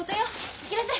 行きなさい。